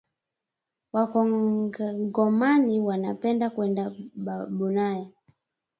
Wakongomani wanapenda kwenda bulaya